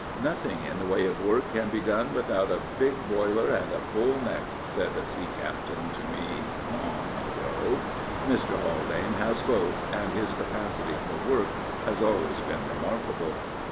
Nothing in the way of work can be done without a big boiler and a bull neck," said a sea captain to me long ago. Mr. Haldane has both, and his capacity for work has always been remarkable.